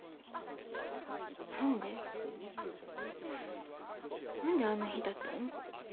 何で何であの日だったの？